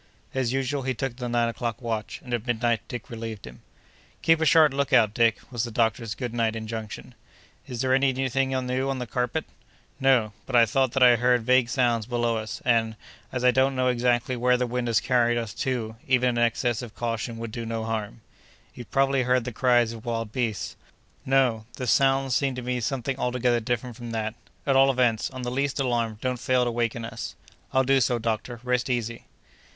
As usual, he took the nine o'clock watch, and at midnight Dick relieved him. "Keep a sharp lookout, Dick!" was the doctor's good night injunction. "Is there any thing new on the carpet?" "No; but I thought that I heard vague sounds below us, and, as I don't exactly know where the wind has carried us to, even an excess of caution would do no harm." "You've probably heard the cries of wild beasts." "No! the sounds seemed to me something altogether different from that; at all events, on the least alarm don't fail to waken us." "I'll do so, doctor; rest easy."